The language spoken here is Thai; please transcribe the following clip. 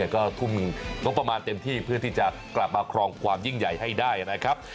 ก็ทุ่มงบประมาณเต็มที่เพื่อที่จะกลับมาครองความยิ่งใหญ่ให้ได้นะครับ